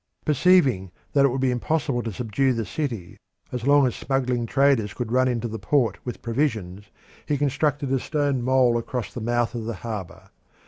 Perceiving that it would be impossible to subdue the city as long as smuggling traders could run into the port with provisions, he constructed a stone mole across the mouth of the harbour.